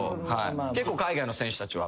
結構海外の選手たちは。